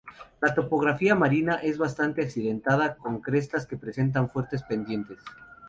La topografía marina es bastante accidentada con crestas que presentan fuertes pendientes.